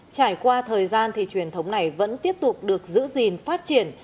trải qua thời gian thì truyền thống này vẫn tiếp tục được giữ gìn phát triển